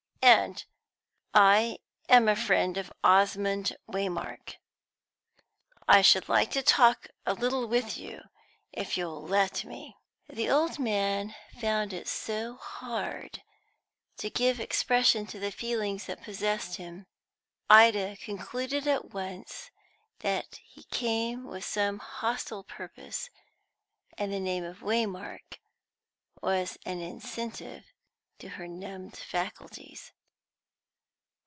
And I am a friend of Osmond Waymark. I should like to talk a little with you, if you'll let me." The old man found it so hard to give expression to the feelings that possessed him. Ida concluded at once that he came with some hostile purpose, and the name of Waymark was an incentive to her numbed faculties.